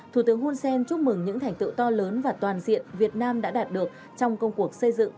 thủ tướng hun sen chúc mừng những thành tựu to lớn và toàn diện việt nam đã đạt được trong công cuộc xây dựng